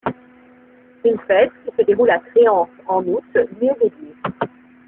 Une fête, qui se déroule à Créances en aout, lui est dédiée.